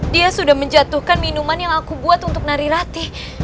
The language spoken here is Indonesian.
dia sudah menjatuhkan minuman yang aku buat untuk narirati